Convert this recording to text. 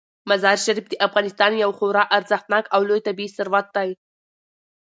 مزارشریف د افغانستان یو خورا ارزښتناک او لوی طبعي ثروت دی.